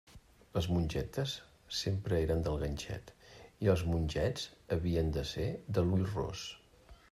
Les mongetes sempre eren del ganxet i els mongets havien de ser de l'ull ros.